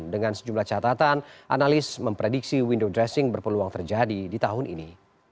dengan sejumlah catatan analis memprediksi window dressing berpeluang terjadi di tahun ini